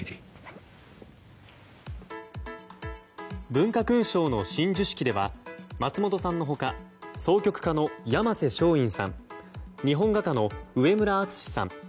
文化勲章の親授式では松本さんの他箏曲家の山勢松韻さん日本画家の上村淳之さん